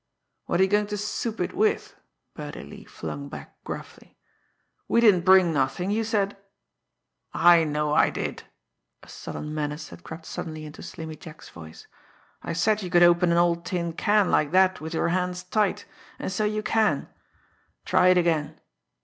"What are you going to 'soup' it with?" Birdie Lee flung back gruffly. "We didn't bring nothing. You said " "I know I did!" A sullen menace had crept suddenly into Slimmy Jack's voice. "I said you could open an old tin can like that with your hands tied and so you can. Try it again!"